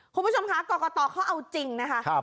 คุณผู้ชมคะกรกตเขาเอาจริงนะคะ